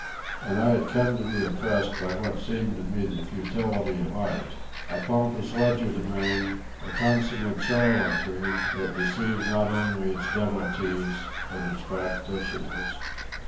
And I had come to be oppressed by what seemed to me the futility of art—a pompous legerdemain, a consummate charlatanry that deceived not only its devotees but its practitioners.